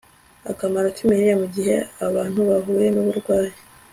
akamaro kimirire mu gihe abantu bahuye nuburwayi